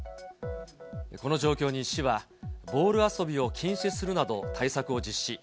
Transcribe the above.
この状況に市は、ボール遊びを禁止するなど、対策を実施。